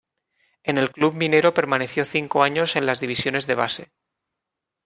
En el club minero permaneció cinco años en las divisiones de base.